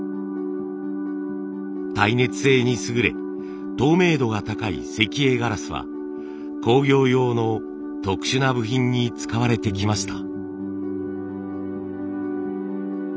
耐熱性に優れ透明度が高い石英ガラスは工業用の特殊な部品に使われてきました。